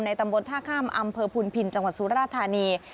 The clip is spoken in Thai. ตำบลท่าข้ามอำเภอพุนพินจังหวัดสุราธานี